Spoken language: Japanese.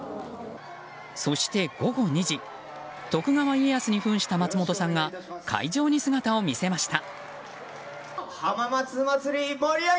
そして、午後２時徳川家康に扮した松本さんが会場に姿を見せました。